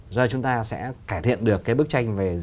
do chúng ta sẽ cải thiện được cái bức tranh về